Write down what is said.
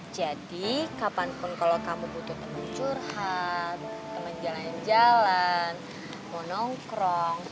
jadi kapanpun kalau kamu butuh teman curhat teman jalan jalan mau nongkrong